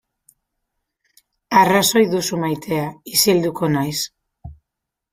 Arrazoi duzu maitea, isilduko naiz.